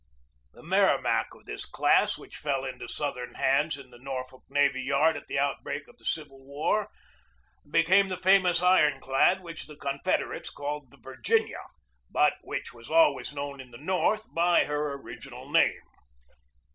The Merri mac of this class, which fell into Southern hands in the Norfolk Navy Yard at the outbreak of the Civil War, became the famous iron clad which the Con federates called the Virginia, but which was always known in the North by her original name.